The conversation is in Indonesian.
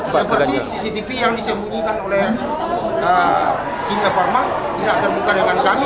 seperti cctv yang disembunyikan oleh tim farma tidak terbuka dengan kami